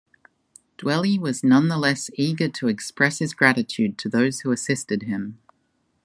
Dwelly was nonetheless eager to express his gratitude to those who assisted him.